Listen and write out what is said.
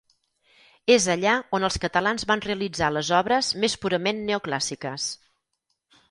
És allà on els catalans van realitzar les obres més purament neoclàssiques.